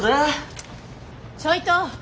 ちょいと！